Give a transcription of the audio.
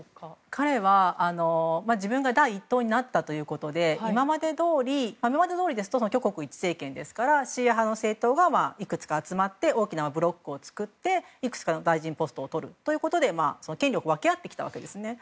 彼は、自分が第一党になったということで今までどおりですと挙国一致政権ですからシーア派の政党がいくつか集まって大きなブロックを作っていくつかの大臣ポストをとって権力を分け合ってきたわけです。